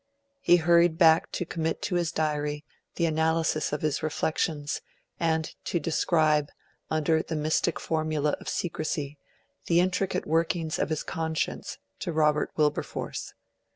He hurried back to commit to his Diary the analysis of his reflections, and to describe, under the mystic formula of secrecy, the intricate workings of his conscience to Robert Wilberforce.